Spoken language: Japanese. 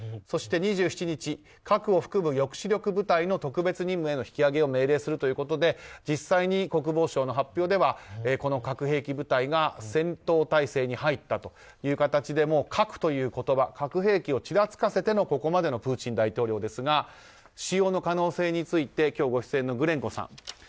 そして２７日核を含む抑止力部隊の特別任務への引き上げを命令するということで実際に国防省の発表では核兵器部隊が戦闘態勢に入ったという形で核という言葉核兵器をちらつかせてのここまでのプーチン大統領ですが使用の可能性について今日ご出演のグレンコさん。